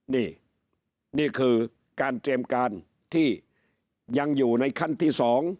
นี่นี่คือการเตรียมการที่ยังอยู่ในขั้นที่๒